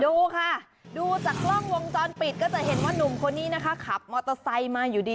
ดูค่ะดูจากกล้องวงจรปิดก็จะเห็นว่านุ่มคนนี้นะคะขับมอเตอร์ไซค์มาอยู่ดี